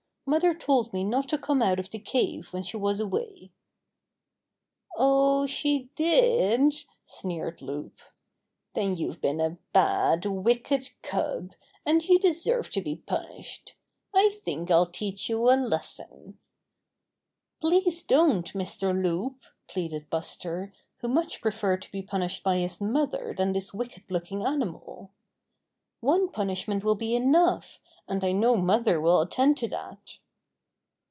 Mother told me not to come out of the cave when she was away." 15 16 Buster the Bear ''Oh, she didP' sneered Loup. 'TThen you've been a bad, wicked cub, and you de serve to be punished. I think I'll teach you a lesson." "Please don't, Mr. Loup," pleaded Buster, who much preferred to be punished by his mother than this wicked looking animal. "One punishment will be enough, and I know mother will attend to that."